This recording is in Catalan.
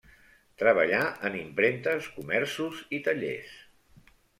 Treballà en impremtes, comerços i tallers.